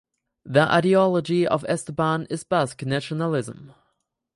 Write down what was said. The ideology of Esteban is Basque nationalism.